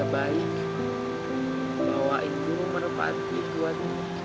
bawa itu ke mana panti tuhan